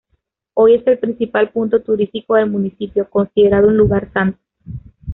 Hoy es el principal punto turístico del municipio, considerado un lugar santo.